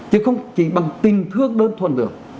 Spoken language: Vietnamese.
chứ không chỉ bằng tình thương đơn thuần được